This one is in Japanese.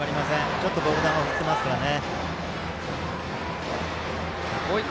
ちょっとボール球を振ってますね。